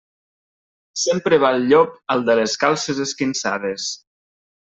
Sempre va el llop al de les calces esquinçades.